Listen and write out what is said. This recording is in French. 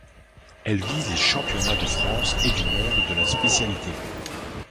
Elle vise les championnats de France et du monde de la spécialité.